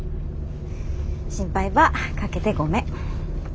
心配ばかけてごめん。